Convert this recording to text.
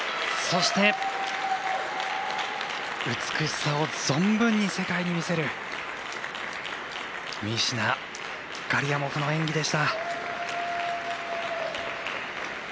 そして、美しさを存分に世界に見せるミシナ、ガリアモフの演技でした。